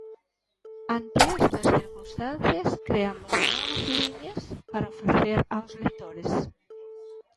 Ante estas circunstancias, creamos novas liñas para ofrecer aos lectores.